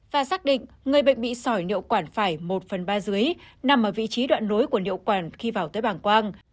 và xác định người bệnh bị sỏi niệu quản phải một phần ba dưới nằm ở vị trí đoạn nối của niệu quản khi vào tới bàng quang